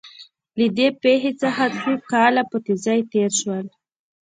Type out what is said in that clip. له دې پېښې څخه څو کاله په تېزۍ تېر شول